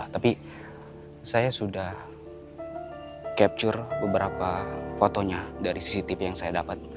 tapi saya sudah capture beberapa fotonya dari cctv yang saya dapat